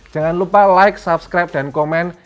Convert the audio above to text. jangan lupa like subscribe dan komen